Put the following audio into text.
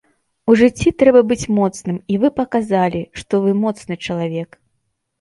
У жыцці трэба быць моцным, і вы паказалі, што вы моцны чалавек.